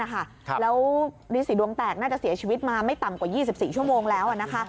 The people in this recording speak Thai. แล้วฤษีดวงแตกน่าจะเสียชีวิตมาไม่ต่ำกว่า๒๔ชั่วโมงแล้ว